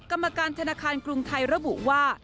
กรรมการธนาคารกรุงไทยระบุว่า